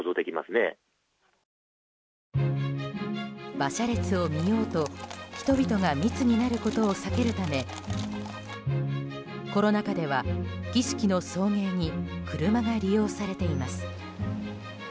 馬車列を見ようと人々が密になることを避けるためコロナ禍では、儀式の送迎に車が利用されています。